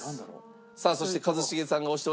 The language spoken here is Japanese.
さあそして一茂さんが押しておられます。